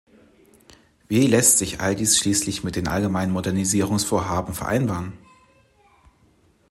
Wie lässt sich all dies schließlich mit den allgemeinen Modernisierungsvorhaben vereinbaren?